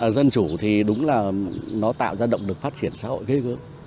dân chủ thì đúng là nó tạo ra động lực phát triển xã hội ghê gớm